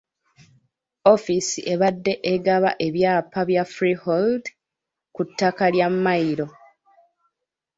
Ofiisi ebadde egaba ebyapa bya freehold ku ttaka lya Mmayiro.